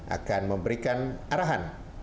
akan memberikan arahan